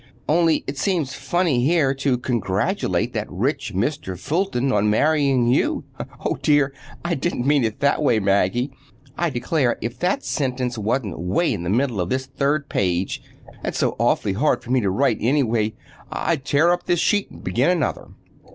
Only it seems funny here, to congratulate that rich Mr. Fulton on marrying you. Oh, dear! I didn't mean it that way, Maggie. I declare, if that sentence wasn't 'way in the middle of this third page, and so awfully hard for me to write, anyway, I'd tear up this sheet and begin another.